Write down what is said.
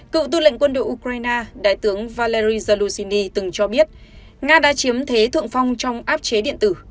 cựu tư lệnh quân đội ukraine đại tướng valeri zalushiny từng cho biết nga đã chiếm thế thượng phong trong áp chế điện tử